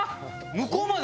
向こうまで！？